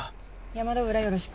山田裏よろしく。